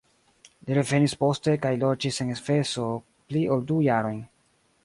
Li revenis poste kaj loĝis en Efeso pli ol du jarojn.